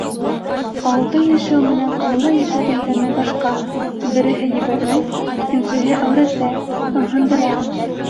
Ауылда йәшәү менән ҡалала йәшәүҙең тәме башҡа - береһе ебәрмәй, икенсеһе әүрәтә, ымһындыра.